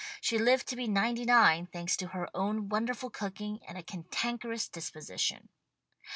She lived to be ninety nine, thanks to her own wonderful cooking and a cantankerous dis position.